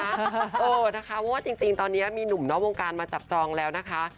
เพราะว่าจริงตอนนี้มีหนุ่มนอกวงการมาจับจองแล้วนะคะ